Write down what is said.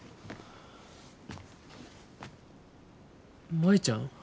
舞ちゃん。